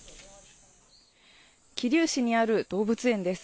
桐生市にある動物園です。